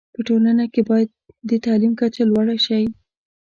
په ټولنه کي باید د تعلیم کچه لوړه شی